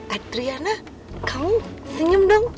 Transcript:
adriana kamu senyum dong